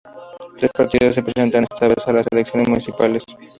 Tres partidos se presentan esta vez a las elecciones municipales.